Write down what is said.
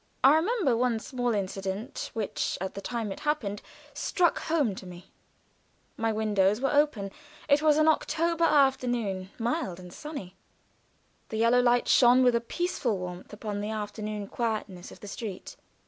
I remember one small incident which at the time it happened struck home to me. My windows were open; it was an October afternoon, mild and sunny. The yellow light shone with a peaceful warmth upon the afternoon quietness of the street.